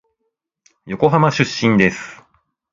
横浜出身です。